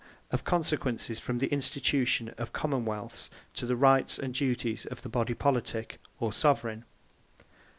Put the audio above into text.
Of Consequences from the Institution of COMMON WEALTHS, to the Rights, and Duties of the Body Politique, or Soveraign.